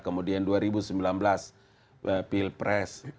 kemudian dua ribu sembilan belas pilpres